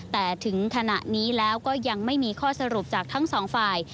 แต่ถึงขณะนี้แล้วก็ยังไม่มีข้อสรุปจากทั้งสองฝ่าย